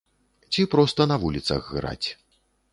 Ці проста на вуліцах граць.